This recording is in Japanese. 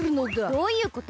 どういうこと？